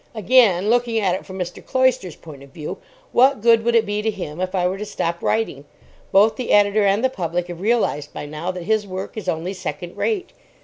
Again, looking at it from Mr. Cloyster's point of view, what good would it be to him if I were to stop writing? Both the editor and the public have realised by now that his work is only second rate.